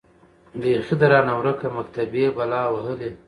بيـخي ده رانـه وركه مــكتبۍ بــلا وهــلې.